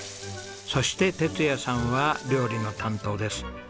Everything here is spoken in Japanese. そして哲也さんは料理の担当です。